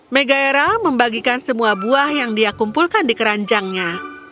megaira membagikan semua buah yang dia kumpulkan di keranjangnya